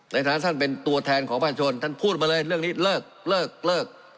ในฐานะท่านเป็นตัวแทนของประชาชนท่านพูดมาเลยเรื่องนี้เลิกเลิก